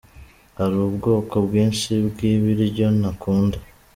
Hari ubwoko bwinshi bw’ibiryo ntakunda………….